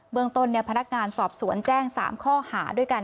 เบื้องต้นนี่พนักการณ์สอบสวนแจ้ง๓ข้อหาด้วยกัน